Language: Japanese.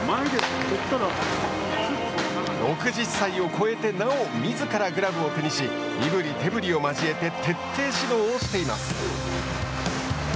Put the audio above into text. ６０歳を超えてなおみずからグラブを手にし身ぶり手ぶりを交えて徹底指導をしています。